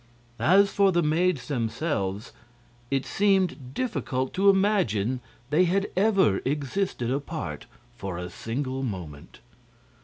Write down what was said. As for the maids themselves, it seemed difficult to imagine they had ever existed apart for a single moment.